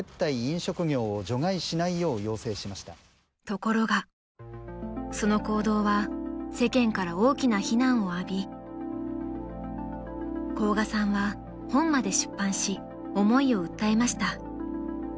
［ところがその行動は世間から大きな非難を浴び甲賀さんは本まで出版し思いを訴えました］